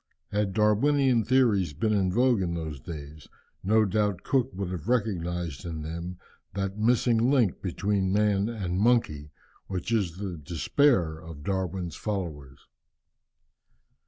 Had Darwinian theories been in vogue in those days, no doubt Cook would have recognized in them that missing link between man and monkey, which is the despair of Darwin's followers.